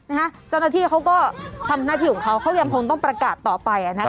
เจ้าหน้าที่เขาก็ทำหน้าที่ของเขาเขายังคงต้องประกาศต่อไป